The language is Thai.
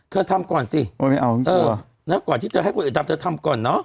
เธอทำก่อนสิไม่เอาไม่กลัวเออแล้วก่อนที่เธอให้คนอื่นทำเธอทำก่อนเนาะ